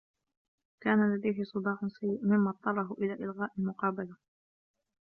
كان لديهِ صداع سيء مما اضطرهُ الى إلغاء المقابلة.